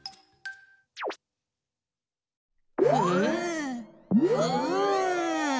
ふっふっ。